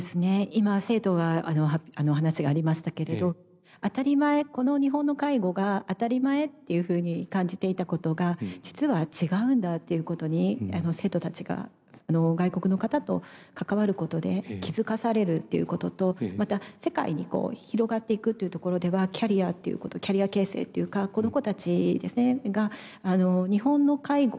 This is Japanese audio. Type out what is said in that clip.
今生徒の話がありましたけれど当たり前この日本の介護が当たり前っていうふうに感じていたことが実は違うんだということに生徒たちが外国の方と関わることで気付かされるっていうこととまた世界に広がっていくっていうところではキャリアっていうことキャリア形成っていうかこの子たちが日本の介護